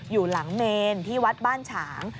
อยู่หลังเมนที่วัดบ้านฉาง